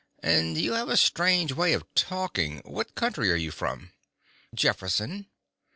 "And you have a strange way of talking. What county are you from?" "Jefferson."